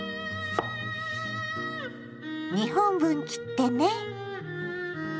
２本分切ってね。